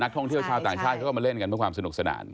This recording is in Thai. ท่องเที่ยวชาวต่างชาติเขาก็มาเล่นกันเพื่อความสนุกสนาน